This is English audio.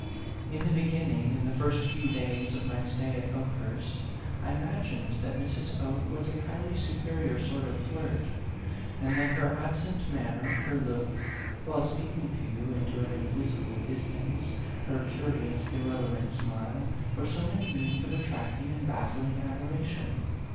In the beginning, in the first few days of my stay at Okehurst, I imagined that Mrs. Oke was a highly superior sort of flirt; and that her absent manner, her look, while speaking to you, into an invisible distance, her curious irrelevant smile, were so many means of attracting and baffling adoration.